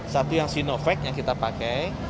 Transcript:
satu yang sinovac yang kita pakai